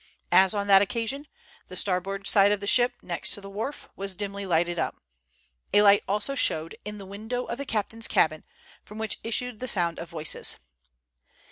As on that occasion, the starboard side of the ship, next the wharf, was dimly lighted up. A light also showed in the window of the captain's cabin, from which issued the sound of voices.